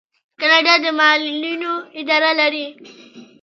کاناډا د معلولینو اداره لري.